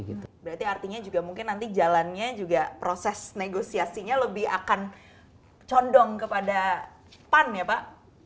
berarti artinya juga mungkin nanti jalannya juga proses negosiasinya lebih akan condong kepada pan ya pak